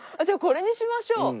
じゃあこれにしましょう。